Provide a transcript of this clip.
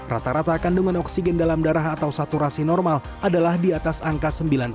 rata rata kandungan oksigen dalam darah atau saturasi normal adalah di atas angka sembilan puluh